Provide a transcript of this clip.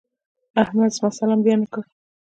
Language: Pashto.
احمد زما سلام بيا نه کړ.